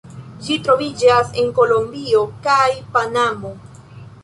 Ĝi troviĝas en Kolombio kaj Panamo.